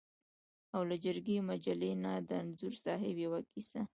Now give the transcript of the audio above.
او له جرګې مجلې نه د انځور صاحب یوه کیسه.